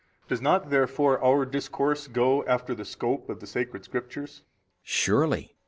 Does not therefore our discourse go after the scope of the sacred Scriptures? B. Surely.